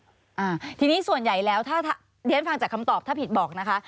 อ่าทีนี้ส่วนใหญ่แล้วถ้าถ้าเรียนฟังจากคำตอบถ้าผิดบอกนะคะ